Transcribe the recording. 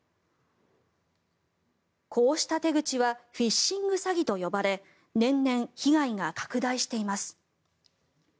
こうした手口はフィッシング詐欺と呼ばれ年々被害が拡大しています。